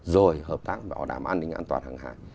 rồi hợp tác vào đảm an ninh an toàn hàng hải